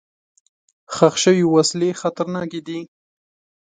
ښخ شوي وسلې خطرناکې دي.